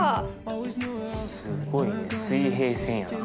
すごいね水平線やな。